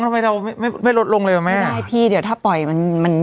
ทำไมเราไม่ไม่ลดลงเลยอ่ะแม่ใช่พี่เดี๋ยวถ้าปล่อยมันมัน